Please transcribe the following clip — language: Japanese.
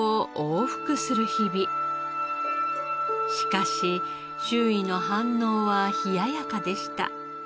しかし周囲の反応は冷ややかでした。